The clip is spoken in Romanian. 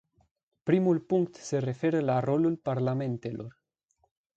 Primul punct se referă la rolul parlamentelor.